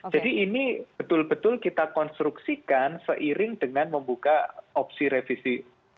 jadi ini betul betul kita konstruksikan seiring dengan membuka opsi revisi